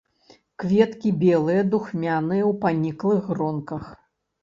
Кветкі белыя, духмяныя, у паніклых гронках.